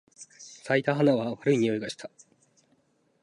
咲いた花は悪い匂いがした。